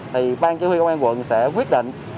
thì bang chế huy công an quận sẽ quyết định